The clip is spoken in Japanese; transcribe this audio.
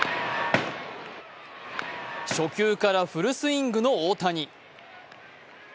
初球からフルスイングの大谷。